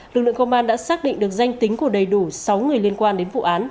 lực lượng công an đã xác định được danh tính của đầy đủ sáu người liên quan đến vụ án